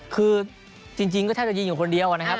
คือจริงก็แทบจะยิงอยู่คนเดียวนะครับ